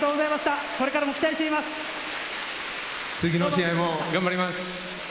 次の試合も頑張ります！